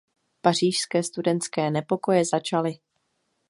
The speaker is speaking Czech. Pařížské studentské nepokoje začaly.